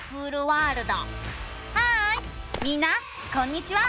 ハーイみんなこんにちは！